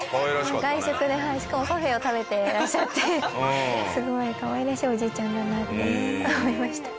外食でしかもパフェを食べてらっしゃってすごいかわいらしいおじいちゃんだなって思いました。